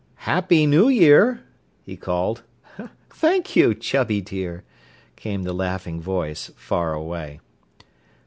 "Happy New Year," he called. "Thank you, Chubby dear!" came the laughing voice, far away.